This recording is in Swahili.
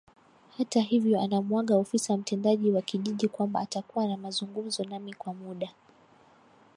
Hata hivyo anamuaga ofisa mtendaji wa kijiji kwamba atakuwa na mazungumzo nami kwa muda